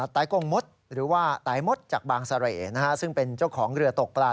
ตายกงมดหรือว่าตายมดจากบางเสร่ซึ่งเป็นเจ้าของเรือตกปลา